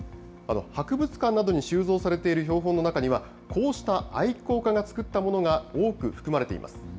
博物館などに収蔵されている標本の中には、こうした愛好家が作ったものが多く含まれています。